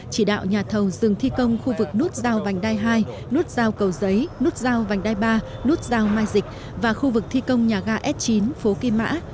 chỉ đạo nhà thầu dừng thi công khu vực nút giao vành đai hai nút giao cầu giấy nút giao vành đai ba nút giao mai dịch và khu vực thi công nhà ga s chín phố kim mã